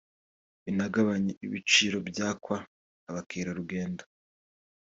binagabanye ibiciro byakwa abakerarugendo